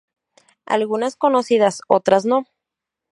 Algunas conocidas, otras no.